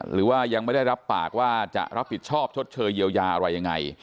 หรือว่ายังไม่ได้รับปากว่าจะรับผิดชอบชดเชยเยียวยาอะไรยังไง